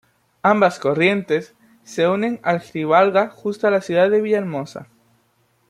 Ambas corrientes, se unen al Grijalva justo en la ciudad de Villahermosa.